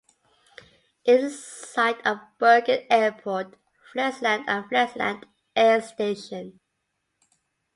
It is the site of Bergen Airport, Flesland and Flesland Air Station.